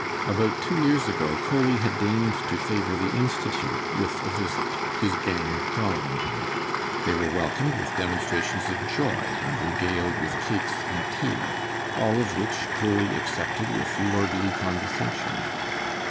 About two years ago Coley had deigned to favor the Institute with a visit, his gang following him. They were welcomed with demonstrations of joy, and regaled with cakes and tea, all of which Coley accepted with lordly condescension.